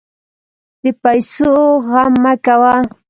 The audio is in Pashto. د پیسو غم مه کوه.